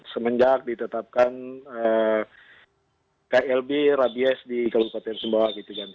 semenjak ditetapkan klb rabies di kabupaten sumbawa